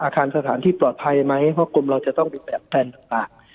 อาคารสถานที่ปลอดภัยไหมเพราะกรมเราจะต้องเป็นแบบแทนต่างต่าง